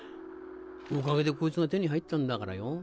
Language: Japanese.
おかげでこいつが手に入ったんだからよ。